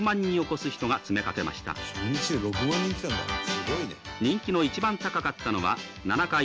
すごいね」